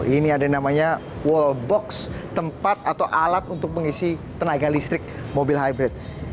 ini ada namanya wall box tempat atau alat untuk mengisi tenaga listrik mobil hybrid